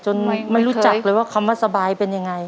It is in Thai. ไม่รู้จักเลยว่าคำว่าสบายเป็นยังไง